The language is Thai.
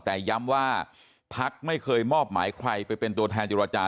แต่ย้ำว่าพักไม่เคยมอบหมายใครไปเป็นตัวแทนจิรจา